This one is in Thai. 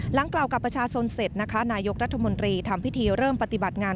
หลังกล่าวกับประชาชนเสร็จนะคะนายกรัฐมนตรีทำพิธีเริ่มปฏิบัติงาน